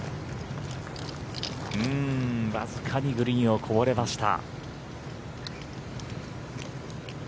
わずかにグリーンをこぼれました。